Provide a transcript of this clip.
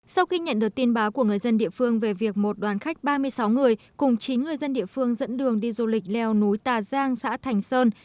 sau khi nhận được tin báo của người dân địa phương về việc một đoàn khách ba mươi sáu người cùng chín người dân địa phương dẫn đường đi du lịch leo núi tà giang xã thành sơn